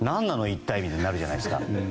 一体みたいになるじゃないですか。